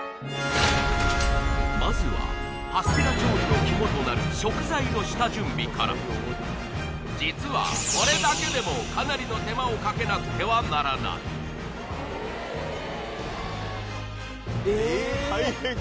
まずはパスティラ調理の肝となる食材の下準備から実はこれだけでもかなりの手間をかけなくてはならないええっ大変ええっ